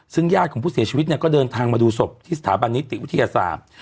ซึ่งญาติของผู้เสียชีวิตเนี่ยก็เดินทางมาดูศพที่สถาบันนิติวิทยาศาสตร์